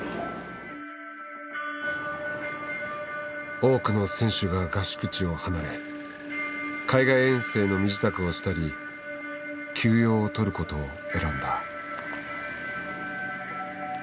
多くの選手が合宿地を離れ海外遠征の身支度をしたり休養を取ることを選んだ。